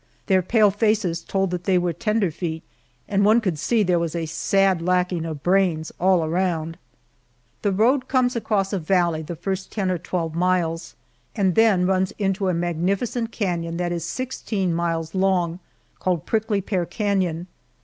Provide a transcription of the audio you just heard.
Their pale faces told that they were "tenderfeet," and one could see there was a sad lacking of brains all around. The road comes across a valley the first ten or twelve miles, and then runs into a magnificent canon that is sixteen miles long, called Prickly Pear Canon.